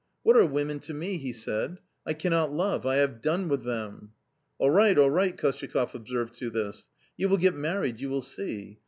"What are women to me?" he said ;" I cannot love ; I have done with them." " All right, all right," KostyakofF observed to this. "You will get married, you will see.